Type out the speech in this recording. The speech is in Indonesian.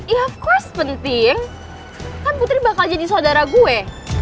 ya cost penting kan putri bakal jadi saudara gue